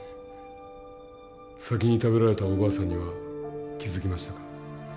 先に食べられたおばあさんには気付きましたか？